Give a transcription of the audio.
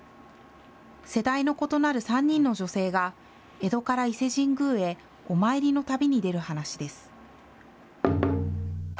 世代の異なる３人の女性が、江戸から伊勢神宮へお参りの旅に出る話です。